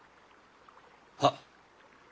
はっ。